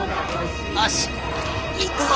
よし行くぞ。